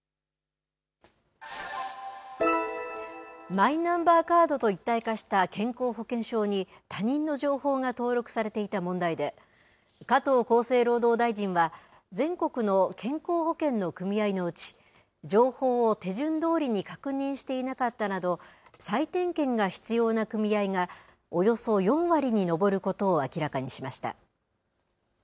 マイナンバーカードと一体化した健康保険証に、他人の情報が登録されていた問題で、加藤厚生労働大臣は、全国の健康保険の組合のうち、情報を手順どおりに確認していなかったなど、再点検が必要な組合がおよそ４割に上ることを明らかにしました。